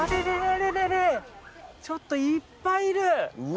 ちょっといっぱいいる。